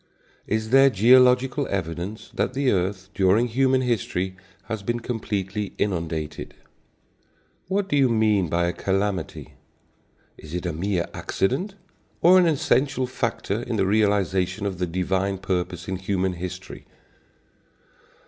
Is there geological evidence that the earth, during human history, has been completely inundated? What do you mean by a calamity? Is it a mere accident, or an essential factor in the realization of the divine purpose in human history?